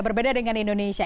berbeda dengan indonesia